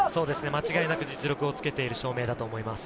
間違いなく実力をつけている証明だと思います。